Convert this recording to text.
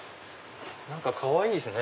何かかわいいですね。